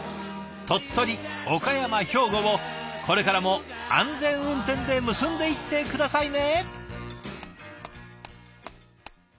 鳥取岡山兵庫をこれからも安全運転で結んでいって下さいね。